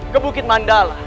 ke bukit mandala